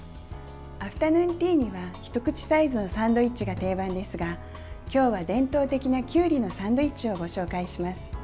アフタヌーンティーには一口サイズのサンドイッチが定番ですが今日は伝統的なきゅうりのサンドイッチをご紹介します。